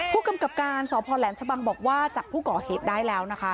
ผู้กำกับการสพแหลมชะบังบอกว่าจับผู้ก่อเหตุได้แล้วนะคะ